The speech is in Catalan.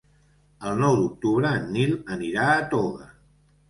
El nou d'octubre en Nil anirà a Toga.